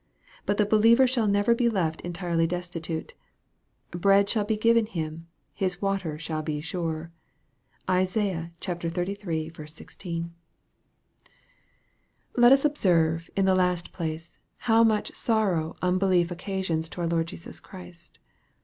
But the believer shall never be left entirely destitute, " Bread shall be given him ; his water shall be sure." (Isaiah xxxiii. 16.) 156 EXPOSITOR! THOUGHTS. Let us observe, in the last place, how much sorrow? un~ belief occasions to our Lord Jesus Christ.